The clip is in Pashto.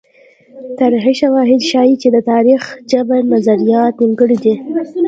تاریخي شواهد ښيي چې د تاریخي جبر نظریات نیمګړي دي.